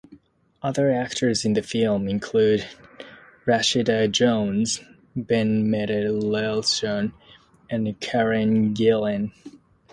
Other actors in the film include Rashida Jones, Ben Mendelsohn, and Karen Gillan.